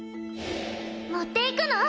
持っていくの？